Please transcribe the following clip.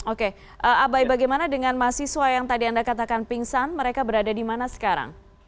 oke abai bagaimana dengan mahasiswa yang tadi anda katakan pingsan mereka berada di mana sekarang